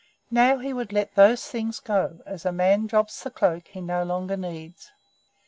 Now he would let those things go, as a man drops the cloak he no longer needs.